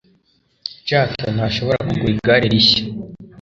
Jack ntashobora kugura igare rishya.